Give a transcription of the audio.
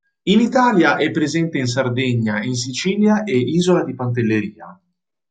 In Italia è presente in Sardegna, in Sicilia e isola di Pantelleria.